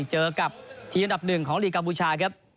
เจอกับทีมอันดับหนึ่งของลีกกัมพูชาครับ